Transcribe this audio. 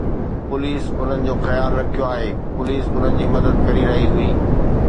police انهن جو خيال رکيو آهي، پوليس انهن جي مدد ڪري رهي هئي